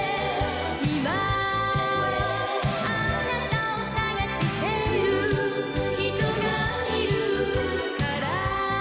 「いまあなたを探してる人がいるから」